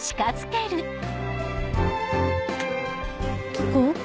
どこ？